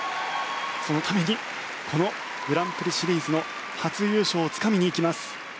そのためにこのグランプリシリーズの初優勝をつかみに行きます。